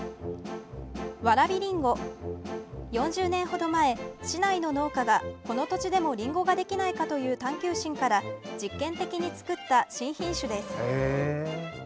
４０年程前、市内の農家がこの土地でも、りんごができないかという探究心から実験的に作った新品種です。